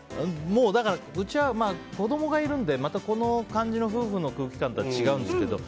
うちは子供がいるのでまたこの夫婦の空気感と違うんですけど。